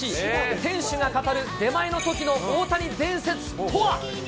店主が語る出前のときの大谷伝説とは。